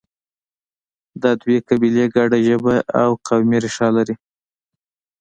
دا دوه قبیلې ګډه ژبه او قومي ریښه لري